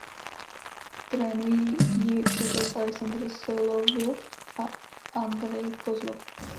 Trénují ji otec Alexandr Solovjov a Andrej Kozlov.